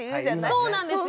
そうなんですよ。